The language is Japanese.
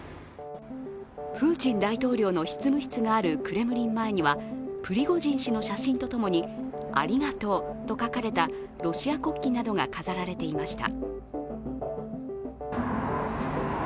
プーチン大統領の執務室があるクレムリン前にはプリゴジン氏の写真とともに「ありがとう」と書かれたロシア国旗などが飾られていました。